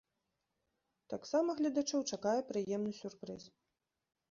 Таксама гледачоў чакае прыемны сюрпрыз.